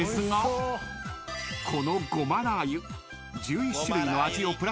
［このごまラー油］